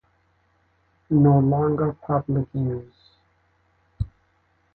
No longer public use.